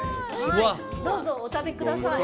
どうぞ、お食べください。